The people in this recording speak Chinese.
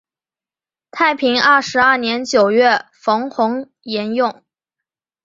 太平二十二年九月冯弘沿用。